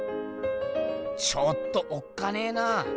ちょっとおっかねえなあ。